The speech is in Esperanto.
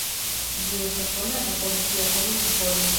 Ĝi estas konata por sia konusa formo.